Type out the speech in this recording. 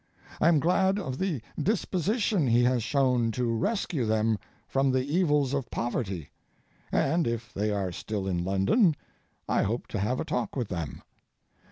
I am glad of the disposition he has shown to rescue them from the evils of poverty, and if they are still in London, I hope to have a talk with them.